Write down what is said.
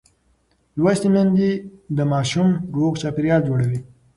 لوستې میندې د ماشوم روغ چاپېریال جوړوي.